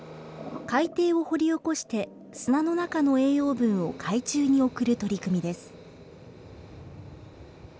海底を掘り起こして砂の中の栄養分を海中に送る取り組みです。